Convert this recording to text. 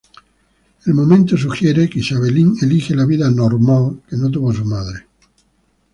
El momento sugiere que Isabelle elige la vida "normal" que no tuvo su madre.